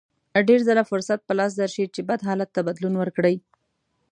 ډېر ځله فرصت په لاس درشي چې بد حالت ته بدلون ورکړئ.